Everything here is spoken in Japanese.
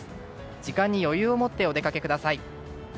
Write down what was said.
時間に余裕を持ってお出かけください。